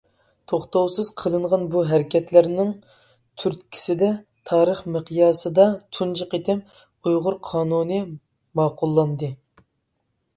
توختاۋسىز قىلىنغان بۇ ھەرىكەتلەرنىڭ تۈرتكىسىدە تارىخ مىقياسىدا تۇنجى قېتىم «ئۇيغۇر قانۇنى» ماقۇللاندى.